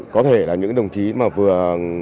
có thể là những đồng chí mà vừa